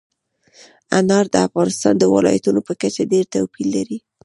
انار د افغانستان د ولایاتو په کچه ډېر توپیر لري.